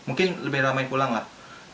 mungkin lebih ramai pulang lah